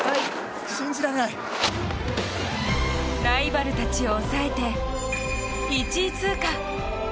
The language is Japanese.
ライバルたちを抑えて１位通過。